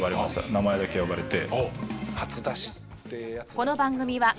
名前だけ呼ばれて。